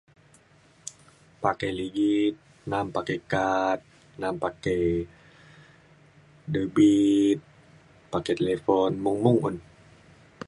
Pakai ligit ngan pakai kad , na pakai debit, pakai telefon, mung-mung un